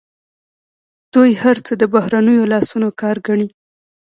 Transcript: دوی هر څه د بهرنیو لاسونو کار ګڼي.